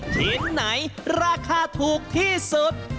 ถึงไหนราคาถูกที่สุด